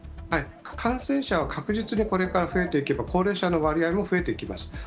感染者は確実にこれから増えていけば、高齢者の割合も増えていきます。